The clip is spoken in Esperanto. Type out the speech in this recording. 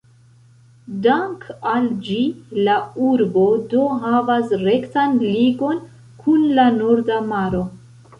Dank'al ĝi la urbo do havas rektan ligon kun la Norda Maro.